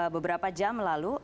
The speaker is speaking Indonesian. beberapa jam lalu